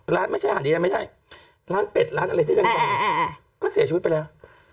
ร้านไม่ใช่ห่านดินแดงไม่ใช่ร้านเป็ดร้านอะไรที่นั่งก่อนก็เสียชีวิตไปแล้วอ๋อ